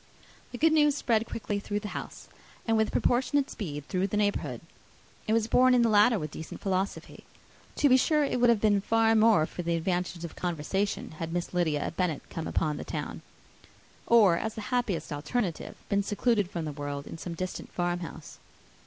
The good news quickly spread through the house; and with proportionate speed through the neighbourhood. It was borne in the latter with decent philosophy. To be sure, it would have been more for the advantage of conversation, had Miss Lydia Bennet come upon the town; or, as the happiest alternative, been secluded from the world in some distant farm house.